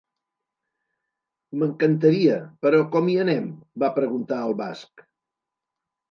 M'encantaria, però com hi anem? —va preguntar el basc.